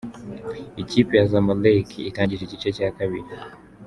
':Ikipe ya Zamalek itangije igice cya kabiri.